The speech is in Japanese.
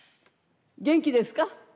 元気ですか？